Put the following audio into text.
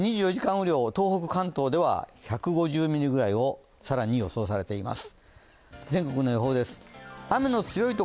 雨量、東北・関東では１５０ミリぐらいを予想されています